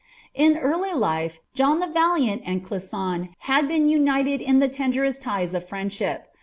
In early life, John the Valiant and Clisson had been united in the tenderest ties of friendship.